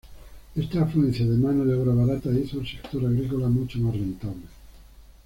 Esta afluencia de mano de obra barata hizo al sector agrícola mucho más rentable.